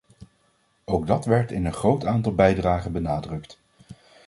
Ook dat werd in een groot aantal bijdragen benadrukt.